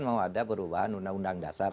mau ada perubahan undang undang dasar